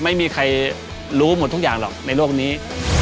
ไม่มีใครรู้หมดทุกอย่างหรอกในโลกนี้